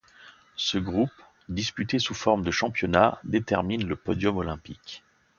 Ce groupe, disputé sous forme de championnat, détermine le podium olympique.